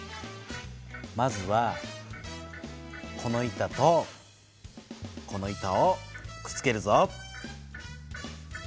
まずはこの板とこの板をくっつけるぞ。